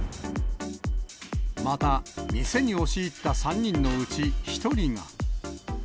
また、店に押し入った３人のうち１人が。